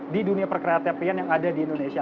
di dunia perkreatepian yang ada di indonesia